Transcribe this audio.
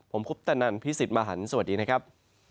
ผมคุปตนันพี่สิทธิ์มหันฯสวัสดีนะครับ